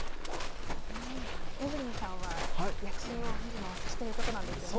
エブリンさんは野球を見るのは好きということなんですよね。